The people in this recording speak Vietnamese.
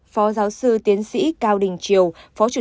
phó giáo sư tiến sĩ cao đình triều